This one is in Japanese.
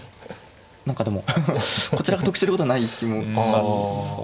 何かでもこちらが得してることはない気もします。